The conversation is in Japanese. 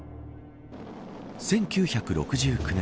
１９６９年